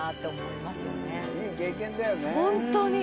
いい経験だよね